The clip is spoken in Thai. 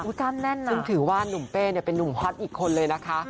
ซึ่งถือว่าหนุ่มเป้เป็นหนุ่มฮอตอีกคนเลยนะคะ